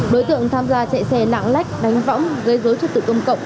đối tượng tham gia chạy xe lạng lách đánh võng gây dối trật tự công cộng